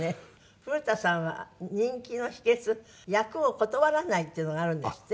古田さんは人気の秘訣役を断らないっていうのがあるんですって？